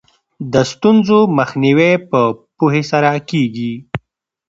د ستونزو مخنیوی په پوهې سره کیږي.